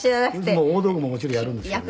大道具ももちろんやるんですけどね。